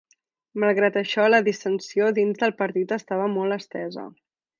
Malgrat això, la dissensió dins del partit estava molt estesa.